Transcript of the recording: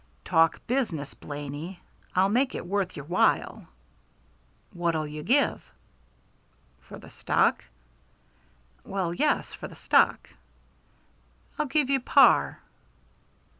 "Talk business, Blaney. I'll make it worth your while." "What'll you give?" "For the stock?" "Well yes, for the stock." "I'll give you par."